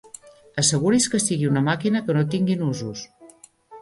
Asseguri's que sigui una màquina que no tingui nusos.